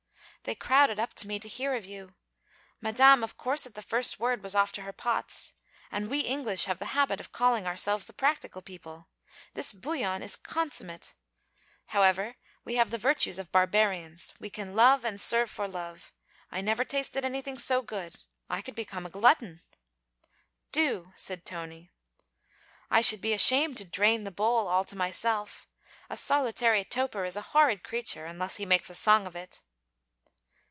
'They crowded up to me to hear of you. Madame of course at the first word was off to her pots. And we English have the habit of calling ourselves the practical people! This bouillon is consummate. However, we have the virtues of barbarians; we can love and serve for love. I never tasted anything so good. I could become a glutton.' 'Do,' said Tony. 'I should be ashamed to "drain the bowl" all to myself: a solitary toper is a horrid creature, unless he makes a song of it.'